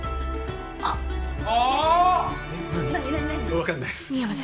分かんないっす